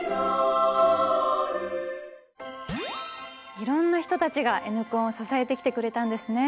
いろんな人たちがＮコンを支えてきてくれたんですね。